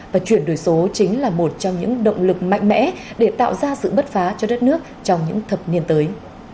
và chuyển đổi số chính là một trong những động lực mạnh mẽ để tạo ra sự bứt phá cho đất nước trong những thập niên tới